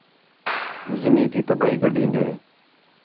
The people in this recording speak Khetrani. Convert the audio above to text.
زمین تی تباہی گڈھین٘دے